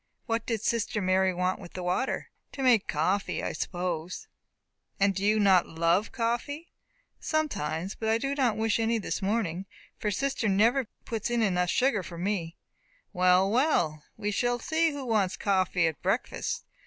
"What did sister Mary want with the water?" "To make coffee, I suppose." "And do you not love coffee?" "Sometimes; but I do not wish any this morning, for sister never puts in sugar enough for me." "Well, well, we shall see who wants coffee at breakfast.